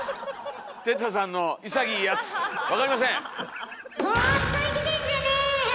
哲太さんの潔いやつ「わかりません」。